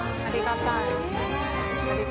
ありがとう。